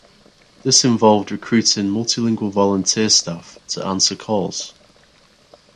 This involved recruiting multilingual volunteer staff to answer calls.